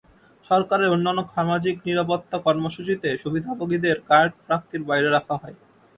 সরকারের অন্যান্য সামাজিক নিরাপত্তা কর্মসূচিতে সুবিধাভোগীদের কার্ড প্রাপ্তির বাইরে রাখা হয়।